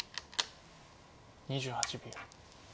２８秒。